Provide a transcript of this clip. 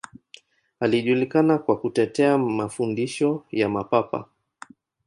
Alijulikana kwa kutetea mafundisho ya Mapapa.